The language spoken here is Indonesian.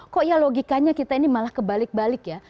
kok ya logikanya kita ini malah kebalik balik ya